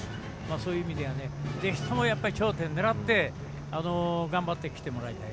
そういう意味では、ぜひとも頂点を狙って頑張ってきてもらいたい。